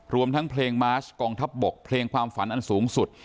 รวมทั้งเพลงมาร์ชกองทัพบกเพลงความฝันอันสูงสุด